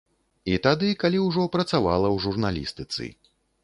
І тады, калі ўжо працавала ў журналістыцы.